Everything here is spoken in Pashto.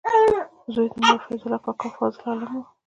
زوی یې ملا فیض الله کاکړ فاضل عالم و.